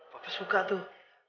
papa suka tuh